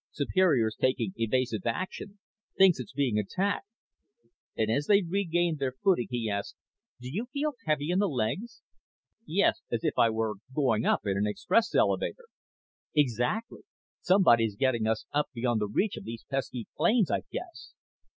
"Superior's taking evasive action. Thinks it's being attacked." As they regained their footing he asked, "Do you feel heavy in the legs?" "Yes. As if I were going up in an express elevator." "Exactly. Somebody's getting us up beyond the reach of these pesky planes, I'd guess."